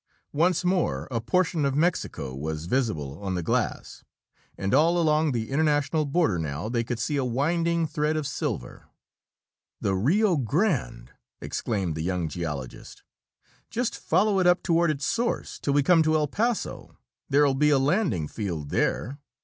Once more a portion of Mexico was visible on the glass, and along the international border now they could see a winding thread of silver. "The Rio Grande!" exclaimed the young geologist. "Just follow it up toward its source till we come to El Paso. There'll be a landing field there."